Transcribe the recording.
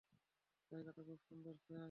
জায়গাটা খুব সুন্দর, স্যার।